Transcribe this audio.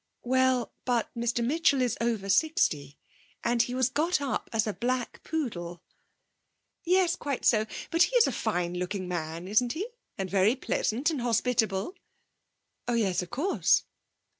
'Well, but Mr Mitchell is over sixty. And he was got up as a black poodle.' 'Yes; quite so. But he's a fine looking man, isn't he? And very pleasant and hospitable?' 'Oh yes, of course.'